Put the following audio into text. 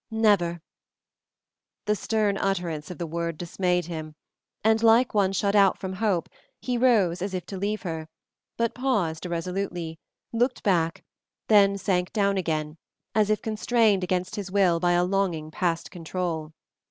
"Never." The stern utterance of the word dismayed him, and, like one shut out from hope, he rose, as if to leave her, but paused irresolutely, looked back, then sank down again, as if constrained against his will by a longing past control.